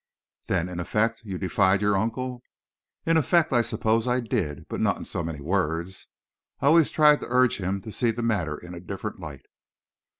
"Then, in effect, you defied your uncle?" "In effect, I suppose I did; but not in so many words. I always tried to urge him to see the matter in a different light."